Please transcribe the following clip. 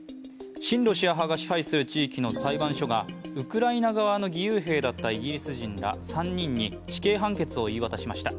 親ロシア派が支配する地域の裁判所がウクライナ側の義勇兵だったイギリス人ら３人に死刑判決を言い渡しました。